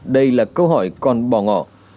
đây là câu hỏi còn bỏ ngỏ